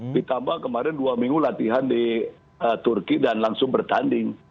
ditambah kemarin dua minggu latihan di turki dan langsung bertanding